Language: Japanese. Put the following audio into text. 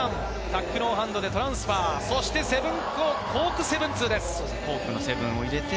タックノーハンドでトランスファー、そしてコーク７２０です。